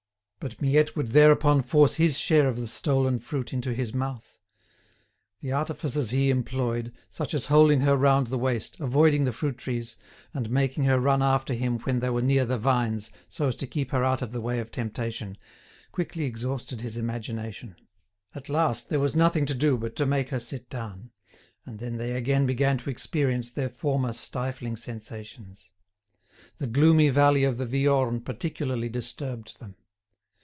But Miette would thereupon force his share of the stolen fruit into his mouth. The artifices he employed, such as holding her round the waist, avoiding the fruit trees, and making her run after him when they were near the vines, so as to keep her out of the way of temptation, quickly exhausted his imagination. At last there was nothing to do but to make her sit down. And then they again began to experience their former stifling sensations. The gloomy valley of the Viorne particularly disturbed them.